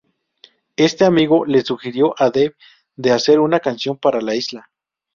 Este amigo le sugirió a Dave de hacer una canción para la isla.